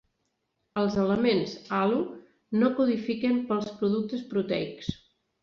Els elements "alu" no codifiquen per als productes proteics.